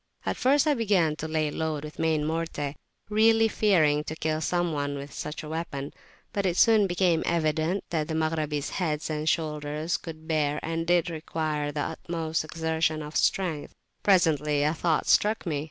At first I began to lay on load with main morte, really fearing to kill some one with such a weapon; but it soon became evident that the Maghrabis' heads and shoulders could bear and did require the utmost exertion of strength. Presently a thought struck me.